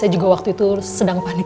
saya juga waktu itu sedang panik